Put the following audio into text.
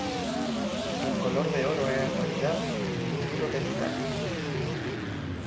El color de oro era en realidad nitruro de titanio.